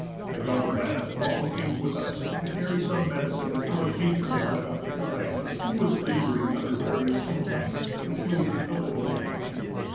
A young lad also came with us to carry some medicine for the patriarch of the tribe, who was labouring under various complaints peculiar to old age.